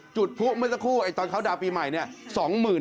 จุดพลุเมื่อสักครู่ตอนเข้าดาวน์ปีใหม่เนี่ย